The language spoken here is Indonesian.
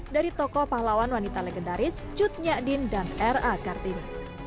dari tokoh pahlawan wanita legendaris jud nyakdin dan r a kartini